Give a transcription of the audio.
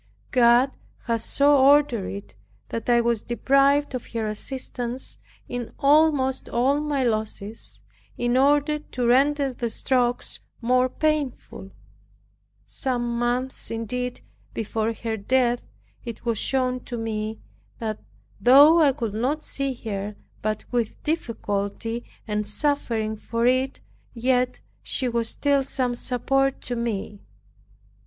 God has so ordered it that I was deprived of her assistance in almost all my losses, in order to render the strokes more painful. Some months indeed before her death, it was shown to me, that though I could not see her but with difficulty, and suffering for it, yet she was still some support to me.